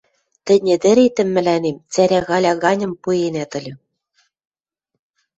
Тӹнь ӹдӹретӹм мӹлӓнем цӓрӓгаля ганьым пуэнӓт ыльы.